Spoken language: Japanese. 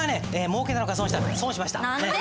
もうけたのか損したのか損しました。